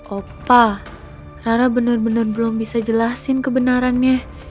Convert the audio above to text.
opa rara bener bener belum bisa jelasin kebenarannya